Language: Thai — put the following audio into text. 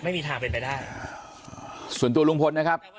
ไม่มีทางเป็นไปได้ส่วนตัวลุงพลนะครับ